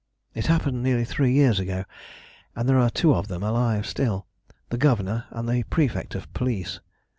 It happened nearly three years ago, and there are two of them alive still the governor and the prefect of police.